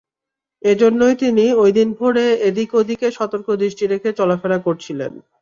এজন্যই তিনি ঐদিন ভোরে এদিক ওদিকে সতর্ক দৃষ্টি রেখে চলাফেরা করছিলেন।